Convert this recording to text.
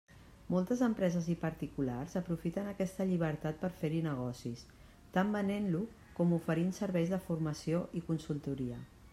Moltes empreses i particulars aprofiten aquesta llibertat per fer-hi negocis, tant venent-lo com oferint serveis de formació i consultoria.